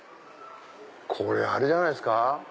これあれじゃないですか？